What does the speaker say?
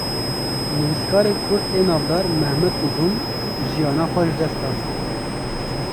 Nivîskarê Kurd ê navdar 'Mehmed Uzun, jîyana xwe ji dest da